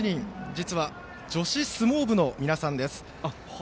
実は女子相撲部の皆さんです。